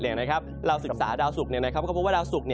ว่าเราสึกษาดาวสุกเขาก็ว่าดาวสุก